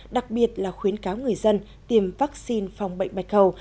đặc biệt là khuyến cáo người dân tiêm vaccine phòng bệnh bạch hầu